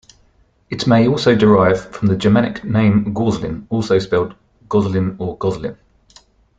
It may also derive from the Germanic name Gauzlin, also spelled Gozlin or Goslin.